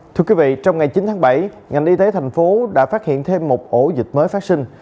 thưa quý vị trong ngày chín tháng bảy ngành y tế thành phố đã phát hiện thêm một ổ dịch mới phát sinh